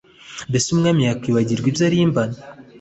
Mbese umwari yakwibagirwa ibyo arimbana